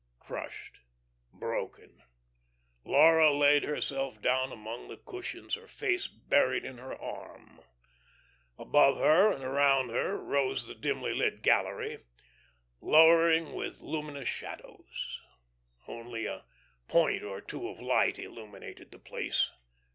Crushed, broken, Laura laid herself down among the cushions, her face buried in her arm. Above her and around her rose the dimly lit gallery, lowering with luminous shadows. Only a point or two of light illuminated the place.